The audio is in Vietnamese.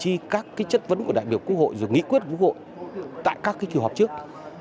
chi các cái chất vấn của đại biểu quốc hội rồi nghị quyết của quốc hội tại các cái kỳ họp trước